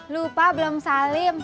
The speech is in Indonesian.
lupa belum salim